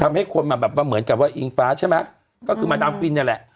ทำให้คนมาแบบว่าเหมือนกับว่าอิงฟ้าใช่ไหมก็คือมาดามฟินเนี่ยแหละ